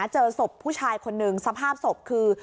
เจอศพผู้ชายคนหนึ่งสภาพศพคือ